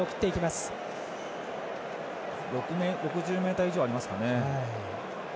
６０ｍ以上ありますかね。